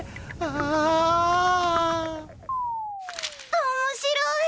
おもしろい！